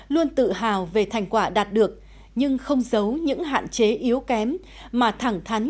luôn tự hào về thành quả đạt được nhưng không giấu những hạn chế yếu kém mà thẳng thắn